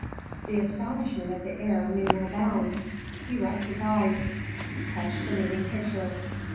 The astonishment of the heir knew no bounds. He rubbed his eyes, touched the moving picture.